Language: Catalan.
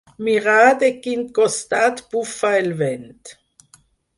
Mirar de quin costat bufa el vent.